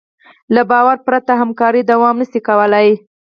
له باور پرته همکاري دوام نهشي کولی.